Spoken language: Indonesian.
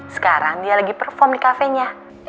sekarang dia lagi perform di cafenya